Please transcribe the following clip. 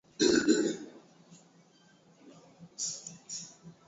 matunda yana wanga bora sana inayotakiwa kwenye mwili